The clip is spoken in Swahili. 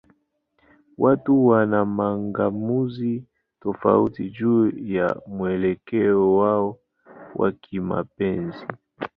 Watu wana mang'amuzi tofauti juu ya mwelekeo wao wa kimapenzi.